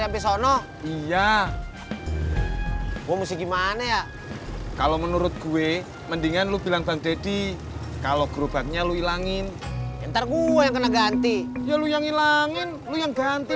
bapak ini diulek lagi kurang halus